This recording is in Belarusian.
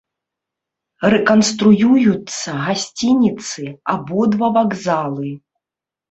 Рэканструююцца гасцініцы, абодва вакзалы.